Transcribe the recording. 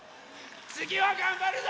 つぎはがんばるぞ！